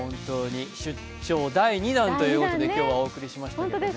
出張第２弾ということで今日はお送りしましたけども。